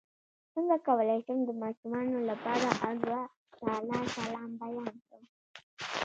څنګه کولی شم د ماشومانو لپاره د الله تعالی سلام بیان کړم